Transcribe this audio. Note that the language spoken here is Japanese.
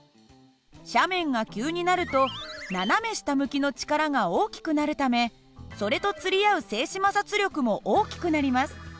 斜面が急になると斜め下向きの力が大きくなるためそれと釣り合う静止摩擦力も大きくなります。